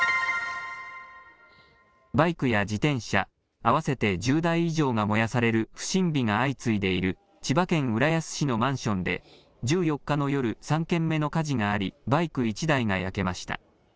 バイクや自転車、合わせて１０台以上が燃やされる不審火が相次いでいる千葉県浦安市のマンションで、１４日の夜、３件目の火事があり、バイク１台が焼けました。